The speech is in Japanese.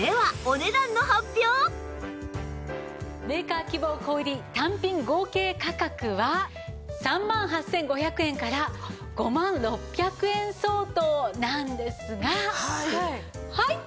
メーカー希望小売単品合計価格は３万８５００円から５万６００円相当なんですが。はいっ！